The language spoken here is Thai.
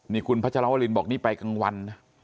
นี่คุณพัชรวรินบอกนี่ไปกลางวันนะ